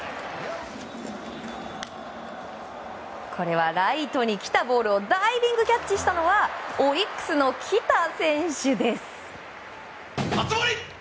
これはライトに来たボールをダイビングキャッチしたのはオリックスの来田選手です。